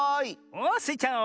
おおスイちゃん